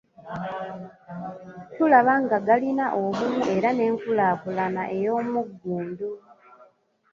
Tulaba nga galina obumu era n’enkulaakulana ey'omuggundu.